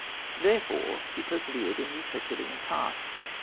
Therefore he persevered in his Herculean task.